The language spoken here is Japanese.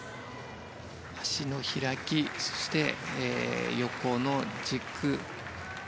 足の開きそして、横の軸。